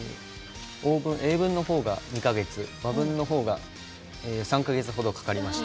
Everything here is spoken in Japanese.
英文のほうが２か月和文のほうが３か月ほどかかりました。